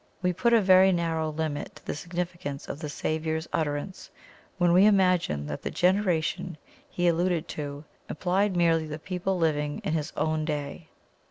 We put a very narrow limit to the significance of the Saviour's utterance when we imagine that the generation He alluded to implied merely the people living in His own day.